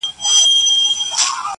هغه لمرینه نجلۍ تور ته ست کوي,